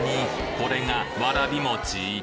これがわらび餅？